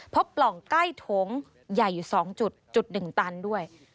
ปล่องใกล้โถงใหญ่อยู่๒จุด๑ตันด้วย